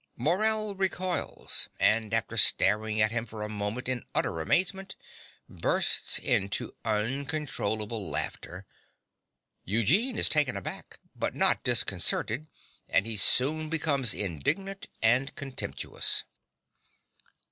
(Morell recoils, and, after staring at him for a moment in utter amazement, bursts into uncontrollable laughter. Eugene is taken aback, but not disconcerted; and he soon becomes indignant and contemptuous.)